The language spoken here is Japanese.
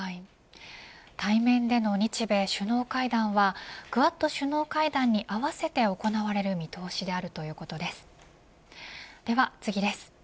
対面での日米首脳会談はクアッド首脳会談に合わせて行われる見通しであるということです。